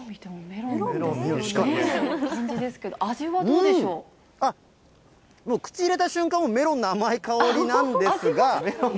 うーん。あっ、口入れた瞬間もメロンの甘い香りなんですが。